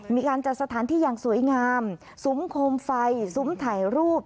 มีการจัดสถานที่อย่างสวยงามซุ้มโคมไฟซุ้มถ่ายรูป